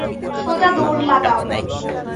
সোজা দৌড় লাগাও।